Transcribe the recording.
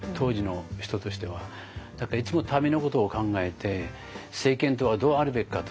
だからいつも民のことを考えて政権とはどうあるべきかと。